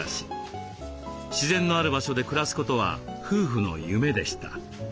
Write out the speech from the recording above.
自然のある場所で暮らすことは夫婦の夢でした。